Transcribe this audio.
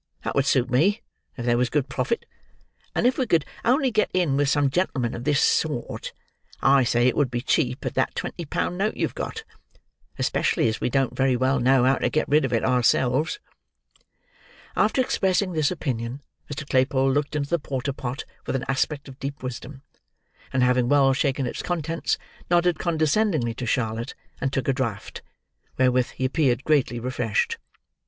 That would suit me, if there was good profit; and if we could only get in with some gentleman of this sort, I say it would be cheap at that twenty pound note you've got,—especially as we don't very well know how to get rid of it ourselves." After expressing this opinion, Mr. Claypole looked into the porter pot with an aspect of deep wisdom; and having well shaken its contents, nodded condescendingly to Charlotte, and took a draught, wherewith he appeared greatly refreshed.